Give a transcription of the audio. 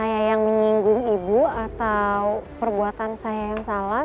saya yang menyinggung ibu atau perbuatan saya yang salah